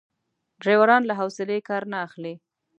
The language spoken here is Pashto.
ډریوران له حوصلې کار نه اخلي.